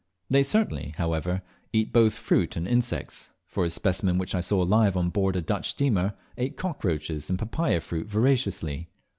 They certainly, however, eat both fruit and insects, for a specimen which I saw alive on board a Dutch steamer ate cockroaches and papaya fruit voraciously.